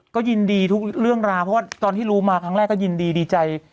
ก็ยินดีทุกเรื่องราวเพราะว่าตอนที่รู้มาครั้งแรกก็ยินดีดีใจ